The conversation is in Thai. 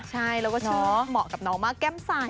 ใช่แล้วก็ชื่อเหมาะกับน้องมากแก้มใส